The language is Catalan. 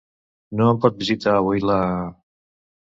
No em pot visitar avui la...?